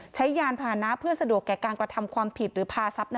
ใช้ยานพานะเพื่อสะดวกแก่การกระทำความผิดหรือพาทั้งทั้ง่นั้นไป